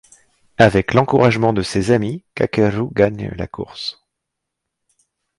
Avec l'encouragement de ses amis, Kakeru gagne la course.